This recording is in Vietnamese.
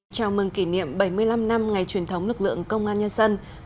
chào mừng kỷ niệm bảy mươi năm năm ngày truyền thống lực lượng công an nhân dân